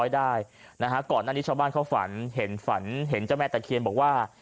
๑๐๐ได้นะก่อนนั้นที่ชาวบ้านเขาฝันเห็นแม่ตะเคียนบอกว่า